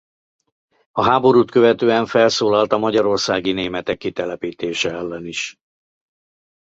A háborút követően felszólalt a magyarországi németek kitelepítése ellen is.